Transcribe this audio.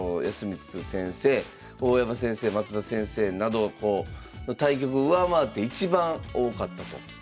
大山先生升田先生などの対局を上回って一番多かったと。